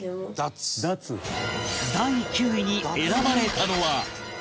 第９位に選ばれたのは